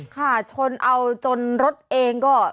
ค่ะชนเอาจนรถเองก็